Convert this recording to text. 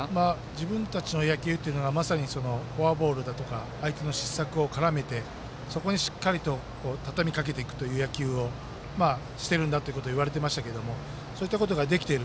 自分たちの野球っていうのがまさにフォアボールだとか相手の失策を絡めて、そこにしっかりと畳み掛けていくという野球をしているんだということ言われてましたけどそういったことができている。